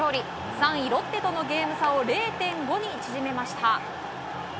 ３位ロッテとのゲーム差を０．５に縮めました。